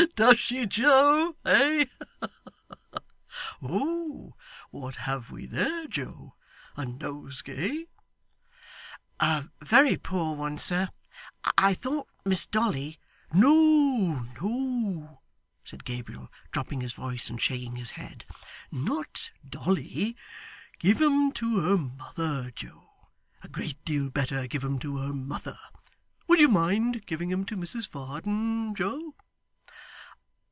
Does she, Joe? Eh! What have we there, Joe a nosegay!' 'A very poor one, sir I thought Miss Dolly ' 'No, no,' said Gabriel, dropping his voice, and shaking his head, 'not Dolly. Give 'em to her mother, Joe. A great deal better give 'em to her mother. Would you mind giving 'em to Mrs Varden, Joe?